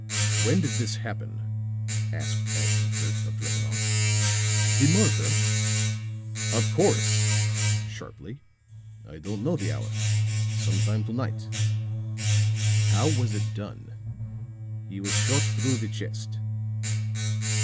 "When did this happen?" asked Ashton Kirk, of Drevenoff. "The murder?" "Of course!" sharply. "I don't know the hour. Some time to night." "How was it done?" "He was shot through the chest."